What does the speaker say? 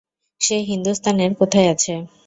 সে হিন্দুস্তান এর কোথায় আছে?